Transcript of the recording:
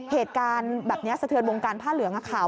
เหตุการณ์แบบนี้สะเทือนวงการผ้าเหลืองค่ะ